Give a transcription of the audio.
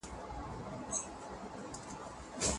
شرعي نصوص پر څه دلالت کوي؟